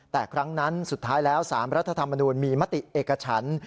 แต่ครั้งนั้นสุดท้ายแล้ว๓รัฐธรรมนูลมีมติเอกฉัน